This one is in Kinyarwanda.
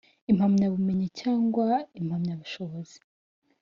Impamyabumenyi cyangwa impamyabushobozi